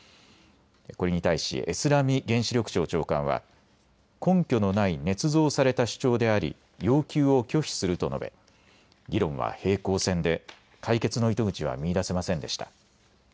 これに対しエスラミ原子力庁長官は根拠のないねつ造された主張であり要求を拒否すると述べ、議論は平行線で解決の糸口は見いだせませんでした。